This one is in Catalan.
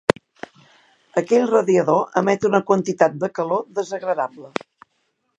Aquell radiador emet una quantitat de calor desagradable.